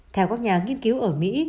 theo các nhà nghiên cứu ở mỹ